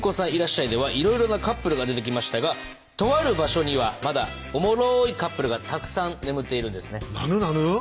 いらっいろいろなカップルが出てきましたがとある場所にはまだおもろいカップルがたくさん眠っているんですねなぬ？